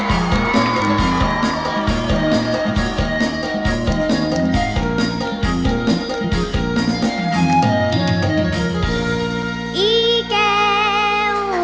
อีเกียววิ่งกา